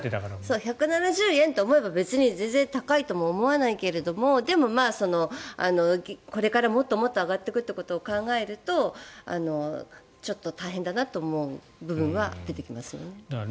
１７０円と思えば全然高いと思わないけどでも、これからもっともっと上がっていくということを考えるとちょっと大変だなと思う部分は出てきますよね。